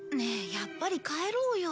やっぱり帰ろうよ。